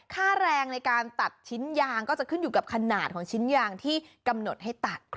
ค่าแรงในการตัดชิ้นยางก็จะขึ้นอยู่กับขนาดของชิ้นยางที่กำหนดให้ตัด